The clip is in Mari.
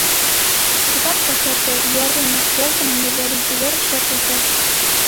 Шукат ыш эрте — юарлыме толкыным леведын, увер шергылте: